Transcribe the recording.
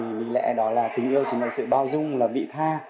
lý lẽ đó là tình yêu chỉ là sự bao dung là vị tha